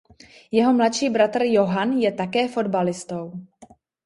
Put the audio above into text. Jeho mladší bratr Johann je také fotbalistou.